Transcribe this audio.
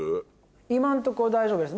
今んとこ大丈夫です。